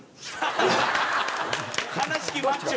悲しきマッチョ。